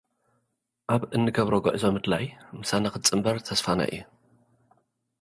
ኣብ እንገብሮ ጉዕዞ ምድላይ ምሳና ክትጽንበር ተስፋና እዩ።